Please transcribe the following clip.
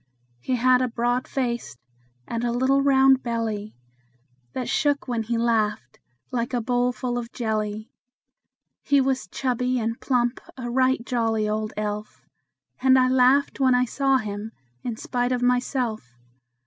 He had a broad face, and a little round belly That shook when he laughed, like a bowl full of jelly. He was chubby and plump a right jolly old elf; And I laughed when I saw him in spite of myself.